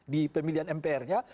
di pemilihan mpr nya